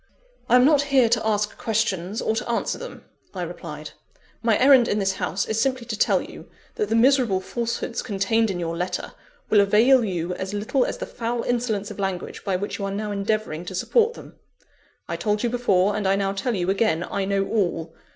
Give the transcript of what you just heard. "I am not here to ask questions, or to answer them," I replied "my errand in this house is simply to tell you, that the miserable falsehoods contained in your letter, will avail you as little as the foul insolence of language by which you are now endeavouring to support them. I told you before, and I now tell you again, I know all.